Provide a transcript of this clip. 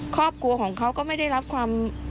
ครอบครัวของเขาก็ไม่ได้รับความ